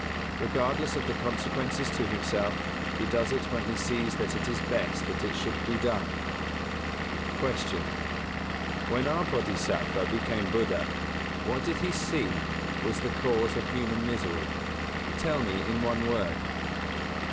Regardless of the consequences to himself, he does it when he sees that it is best that it should be done. 116. Q. _When our Bōdhisattva became Buddha, what did he see was the cause of human misery? Tell me in one word.